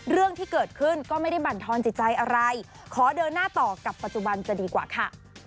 เรื่องที่เกิดขึ้นก็ไม่ได้บรรทอนจิตใจอะไรขอเดินหน้าต่อกับปัจจุบันจะดีกว่าค่ะ